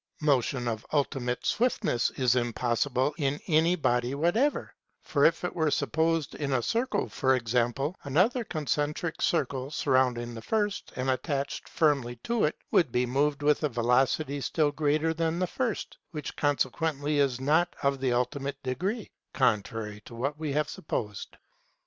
Motion of ultimate swiftness is impossible in any body whatever, for if it were supposed in a circle, for example, another concentric circle, surrounding the first and attached firmly to it, would be moved with a velocity still greater than the first, which consequently is not of the ultimate degree, contrary to what we have supposed.